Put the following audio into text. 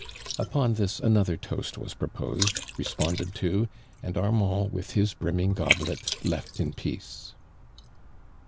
Upon this another toast was propcsed. responded to, and Arnumd with his brim ming goblet left in peace.